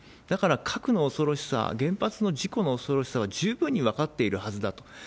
だから核の恐ろしさ、原発の事故の恐ろしさは十分に分かっているはずだと。